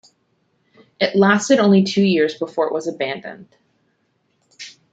It lasted only two years before it was abandoned.